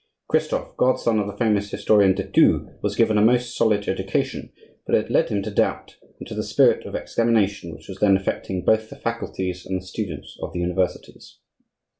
Christophe, godson of the famous historian de Thou, was given a most solid education; but it had led him to doubt and to the spirit of examination which was then affecting both the Faculties and the students of the universities.